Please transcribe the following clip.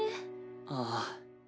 ああ。